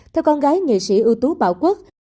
theo con gái nghệ sĩ ưu tú bảo quốc